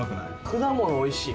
果物おいしい。